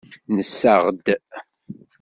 Nessaɣ-d.